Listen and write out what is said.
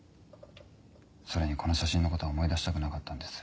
それにこの写真の事は思い出したくなかったんです。